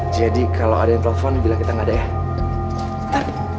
jadi kalau ada yang telepon bilang kita gak ada ya